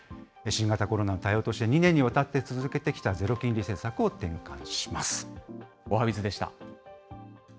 新型コロナの対応として、２年にわたって続けてきたゼロ金利政策を転換します。